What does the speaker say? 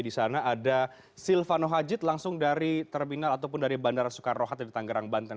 di sana ada silvano hajid langsung dari terminal ataupun dari bandara soekarno hatta di tanggerang banten